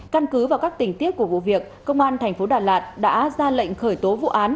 căn cứ vào các tình tiết của vụ việc công an thành phố đà lạt đã ra lệnh khởi tố vụ án